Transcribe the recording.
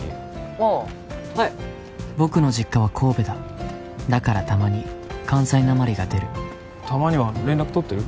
ああはい僕の実家は神戸だだからたまに関西なまりが出るたまには連絡とってる？